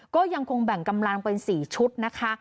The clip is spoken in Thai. ก็ยังคงแบ่งกำลังเป็น๔ชุดนะคะ